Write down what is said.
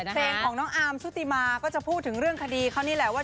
เพลงของน้องอาร์มชุติมาก็จะพูดถึงเรื่องคดีเขานี่แหละว่า